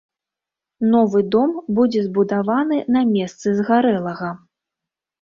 Новы дом будзе збудаваны на месцы згарэлага.